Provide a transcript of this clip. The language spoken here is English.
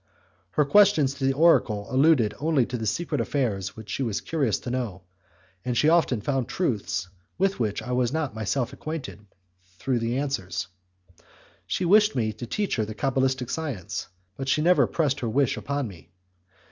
Her questions to the oracle alluded only to secret affairs which she was curious to know, and she often found truths with which I was not myself acquainted, through the answers. She wished me to teach her the cabalistic science, but she never pressed her wish upon me.